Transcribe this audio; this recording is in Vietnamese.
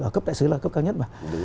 cấp đại sứ là cấp cao nhất mà